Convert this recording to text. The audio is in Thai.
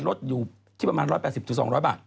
ลดอยู่ที่ประมาณ๑๘๐๒๐๐บาท